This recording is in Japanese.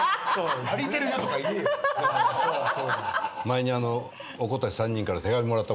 前に。